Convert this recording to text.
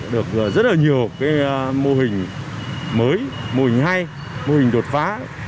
được rất là nhiều mô hình mới mô hình hay mô hình đột phá